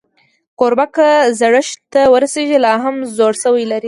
کوربه که زړښت ته ورسېږي، لا هم زړهسوی لري.